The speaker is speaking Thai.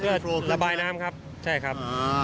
เพื่อระบายน้ำครับใช่ครับ